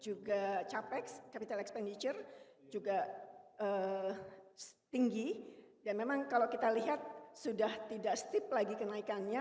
juga capek capital expenditure juga tinggi dan memang kalau kita lihat sudah tidak stip lagi kenaikannya